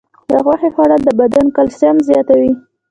د غوښې خوړل د بدن کلسیم زیاتوي.